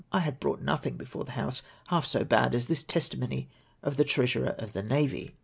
.'" I had brought nothing before the House half so bad as this testimony of the Treasurer of the Navy.